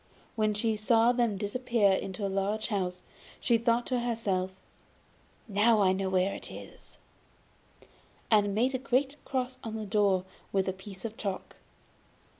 When she saw them disappear into a large house, she thought to herself: 'Now I know where it is; 'and made a great cross on the door with a piece of chalk.